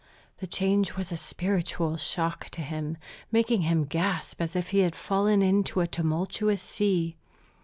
The change was a spiritual shock to him, making him gasp as if he had fallen into a tumultuous sea.